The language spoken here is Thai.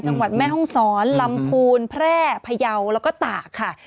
จังหวัดแม่ฮ่องซ้อนลำพูนแพร่พะเยาแล้วก็ต่าค่ะ